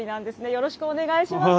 よろしくお願いします。